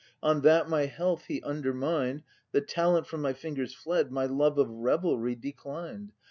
On that my health He undermined, The talent from my fingers fled. My love of revelry declined.